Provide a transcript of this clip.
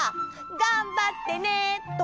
「がんばってね！」とか。